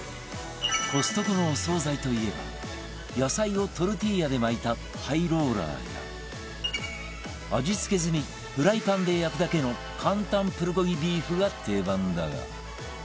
コストコのお惣菜といえば野菜をトルティーヤで巻いたハイローラーや味付け済みフライパンで焼くだけの簡単プルコギビーフが定番だが